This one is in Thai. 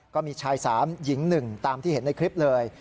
ก็มีชาย๓หญิง๑ตามที่เห็นในคลิปเลย